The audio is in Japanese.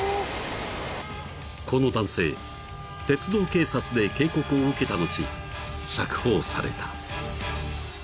［この男性鉄道警察で警告を受けた後釈放された］